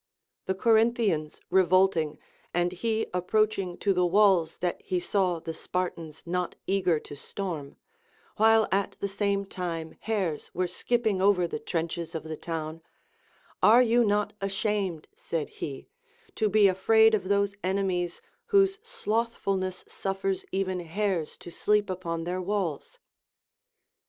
The Corinthians revolting, and lie approaching to the walls that he saAV the Spartans not eager to storm, while at the same time hares were skipping over the trenches of the town ; Are not you ashamed (said he) to be afraid of those enemies whose slothfulness suffers even hares to sleep upon their walls?